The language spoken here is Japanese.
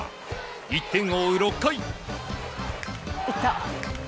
１点を追う６回。